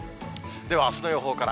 ではあすの予報から。